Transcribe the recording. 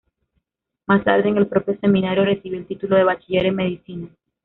Más tarde, en el propio seminario, recibió el título de bachiller en medicina.